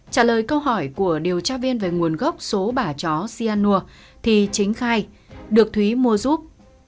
trả lời câu hỏi của điều tra viên về nguồn gốc số bà chó cyanur thì chính khai được thúy mua giúp